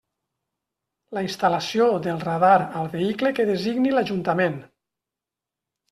La instal·lació del radar al vehicle que designi l'Ajuntament.